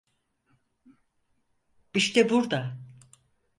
İşte burda!